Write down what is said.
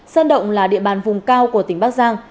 sơn động là địa bàn vùng cao của tỉnh bắc giang